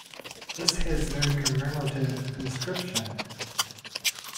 This has no commemorative inscription.